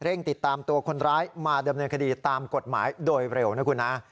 ติดตามตัวคนร้ายมาดำเนินคดีตามกฎหมายโดยเร็วนะคุณฮะ